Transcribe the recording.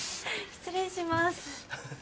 失礼します。